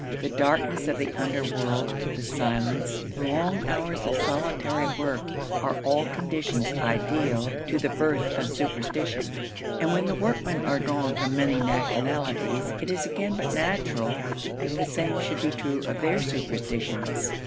The darkness of the underworld, the silence, the long hours of solitary work, are all conditions ideal to the birth of superstition; and when the workmen are drawn from many nationalities, it is again but natural that the same should be true of their superstitions.